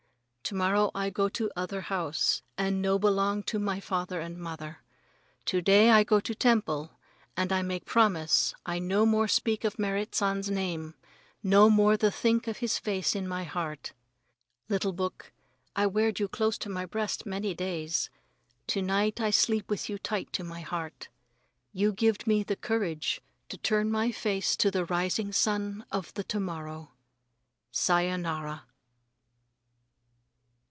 To morrow I go to other house and no belong to my father and mother. To day I go temple, and I make promise I no more speak of Merrit San's name; no more the think of his face in my heart. Little book, I weared you close to my breast many days. To night I sleep with you tight to my heart. You gived me the courage to turn my face to the rising sun of the to morrow. _Sayonara.